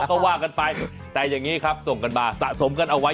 ก็ว่ากันไปแต่อย่างนี้ครับส่งกันมาสะสมกันเอาไว้